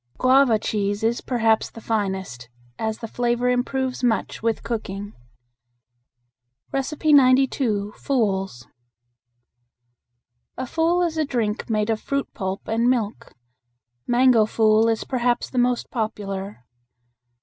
Guava cheese is perhaps the finest, as the flavor improves much with cooking. 92. "Fools." A fool is a drink made of fruit pulp and milk. Mango fool is perhaps the most popular.